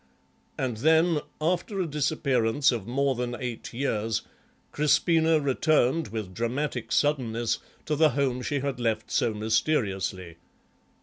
And then, after a disappearance of more than eight years, Crispina returned with dramatic suddenness to the home she had left so mysteriously."